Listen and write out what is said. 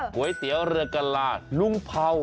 ก๋วยเตี๋ยวเรือกะลาลุงเผา